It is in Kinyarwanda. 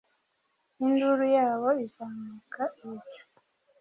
Induru yabo izamuka ibicu;